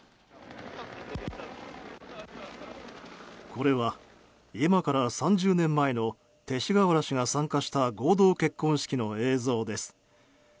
これは、今から３０年前の勅使河原氏が参加した合同結婚式の映像です。